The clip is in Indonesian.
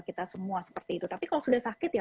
kita semua seperti itu tapi kalau sudah sakit ya